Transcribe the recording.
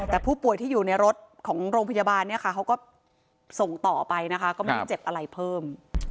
แต่ผู้ป่วยที่อยู่ในรถของโรงพยาบาลเนี่ยค่ะเขาก็ส่งต่อไปนะคะก็ไม่ได้เจ็บอะไรเพิ่ม